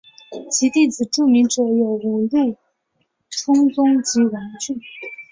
其弟子著名者有五鹿充宗及王骏。